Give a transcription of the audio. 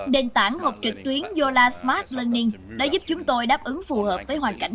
nền tảng học trực tuyến yola smart learning đã giúp chúng tôi đáp ứng phù hợp với hoàn cảnh